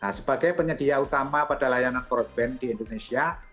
nah sebagai penyedia utama pada layanan broadband di indonesia